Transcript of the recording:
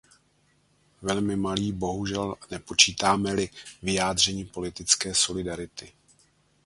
Velmi malý, bohužel, nepočítáme-li vyjádření politické solidarity.